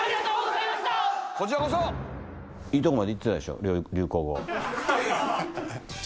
いいとこまで行ってたでしょ。